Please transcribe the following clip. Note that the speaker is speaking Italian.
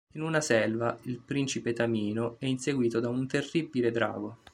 In una selva, il principe Tamino è inseguito da un terribile drago.